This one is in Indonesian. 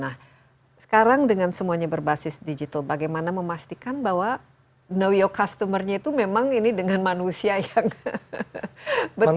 nah sekarang dengan semuanya berbasis digital bagaimana memastikan bahwa know your customer nya itu memang ini dengan manusia yang benar